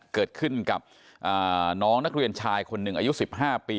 เกิดขึ้นกับน้องนักเรียนชายคนหนึ่งอายุ๑๕ปี